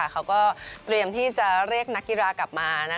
เขาก็เตรียมที่จะเรียกนักกีฬากลับมา